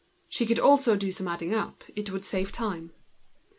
She could also do some adding up, it would save time.